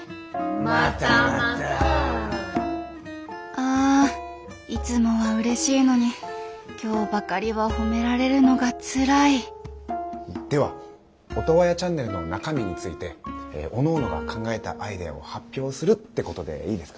あいつもはうれしいのに今日ばかりは褒められるのがつらいではオトワヤチャンネルの中身についておのおのが考えたアイデアを発表するってことでいいですかね？